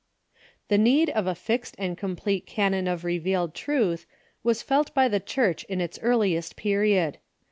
] The need of a fixed and complete canon of revealed truth was felt by the Church in its earliest period.